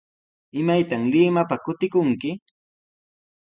¿Imaytaq Limapa kutikunki?